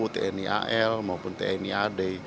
tni al maupun tni ad